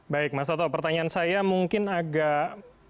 baik mas toto pertanyaan saya mungkin agak